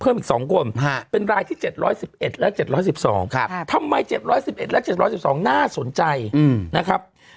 อีก๒คนเป็นรายที่๗๑๑และ๗๑๒ทำไม๗๑๑และ๗๑๒น่าสนใจนะครับ